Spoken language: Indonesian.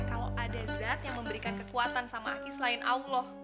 kalau ada zat yang memberikan kekuatan sama aki selain allah